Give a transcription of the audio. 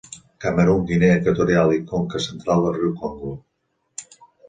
Camerun, Guinea Equatorial i conca central del riu Congo.